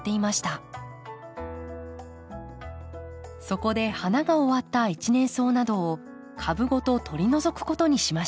そこで花が終わった一年草などを株ごと取り除くことにしました。